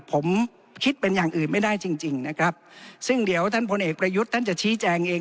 ผมคิดเป็นอย่างอื่นไม่ได้จริงจริงนะครับซึ่งเดี๋ยวท่านพลเอกประยุทธ์ท่านจะชี้แจงเอง